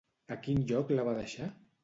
A quin lloc la va deixar?